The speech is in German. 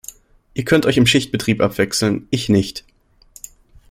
Ihr könnt euch im Schichtbetrieb abwechseln, ich nicht.